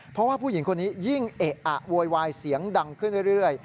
เพราะว่าผู้หญิงคนนี้ยิ่งเอะอะโวยวายเสียงดังขึ้นเรื่อย